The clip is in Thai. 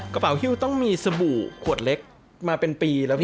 กระเป๋าฮิ้วต้องมีสบู่ขวดเล็กมาเป็นปีแล้วพี่